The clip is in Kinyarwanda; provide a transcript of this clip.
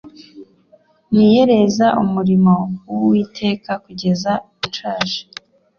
Niyereza umurimo w’uwiteka kugeza nshaje